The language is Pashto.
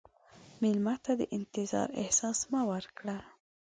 مېلمه ته د انتظار احساس مه ورکړه.